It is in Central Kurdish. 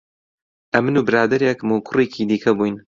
ئەمن و برادەرێکم و کوڕێکی دیکە بووین